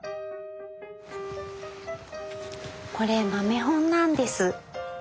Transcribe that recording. これ豆本なんです。